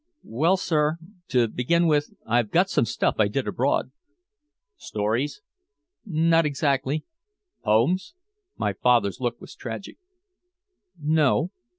"Well, sir, to begin with I've got some stuff I did abroad." "Stories?" "Not exactly " "Poems?" My father's look was tragic. "No."